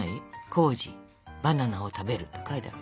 「康史バナナを食べる」とか書いてある。